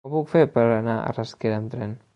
Com ho puc fer per anar a Rasquera amb tren?